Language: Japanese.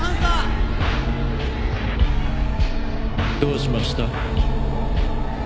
どうしました？